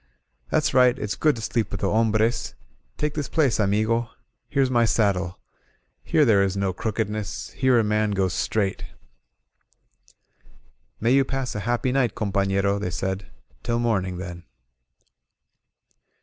"That's right — it's good to sleep with the hombres — ^take this place, amigo — here's my saddle — ^here there is no crookedness — ^here a man goes straight. ..." May you pass a happy night, compa^rOf they said. "Till morning, then."